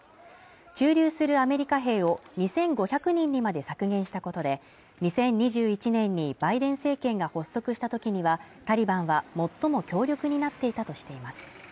駐留するアメリカ兵を２５００人にまで削減したことで、２０２１年にバイデン政権が発足したときには、タリバンは最も強力になっていたとしています